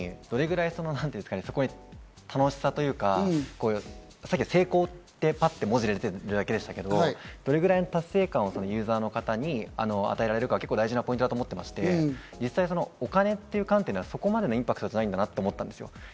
僕はポイントをもらうときにどれくらい楽しさというか、さっき「成功」ってパッと文字が出てるだけでしたけど、どれぐらい達成感をユーザーの方に与えられるかが結構、大事なポイントだと思っていまして、お金という観点ではそこまでのインパクトじゃないんだなと思ったんです。